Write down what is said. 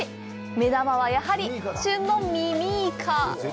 目玉はやはり、旬のミミイカ。